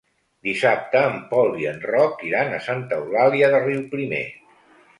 Dissabte en Pol i en Roc iran a Santa Eulàlia de Riuprimer.